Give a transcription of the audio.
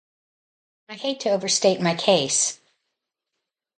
I hate to overstate my case.